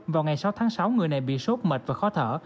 vào ngày sáu tháng sáu người này bị sốt mệt và khó thở